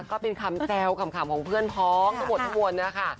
ก็เป็นคำแจวกำคำของเพื่อนพร้อมก็หมดทั้งหมดนะคะ